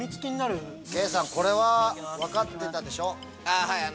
圭さんこれは分かってたでしょ？